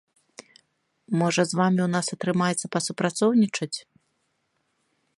Можа, з вамі ў нас атрымаецца пасупрацоўнічаць?